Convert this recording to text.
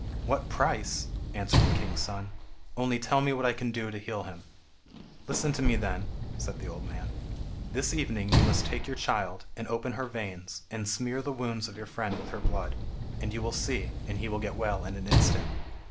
"What price?" answered the king's son; "only tell me what I can do to heal him." "Listen to me, then," said the old man. "This evening you must take your child, and open her veins, and smear the wounds of your friend with her blood. And you will see, he will get well in an instant."